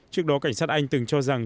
trước đó cảnh sát anh từng cho rằng